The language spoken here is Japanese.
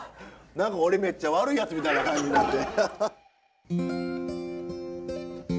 何か俺めっちゃ悪いやつみたいな感じになって。